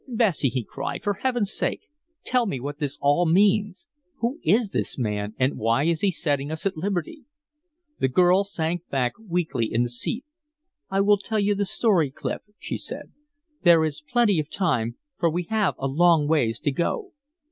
"Bessie!" he cried, "for Heaven's sake, tell me what this all means. Who is this man? And why is he setting us at liberty?" The girl sank back weakly in the seat. "I will tell you the story, Clif," she said. "There is plenty of time, for we have a long ways to go."